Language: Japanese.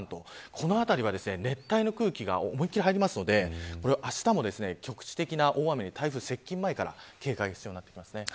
この辺りは、熱帯の空気が思い切り入るのであしたも局地的な大雨台風接近前から警戒が必要になってきます。